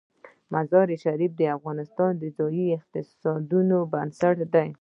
مزارشریف د افغانستان د ځایي اقتصادونو بنسټ دی.